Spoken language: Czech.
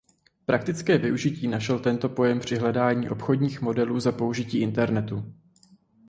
Praktické využití našel tento pojem při hledání obchodních modelů za použití internetu.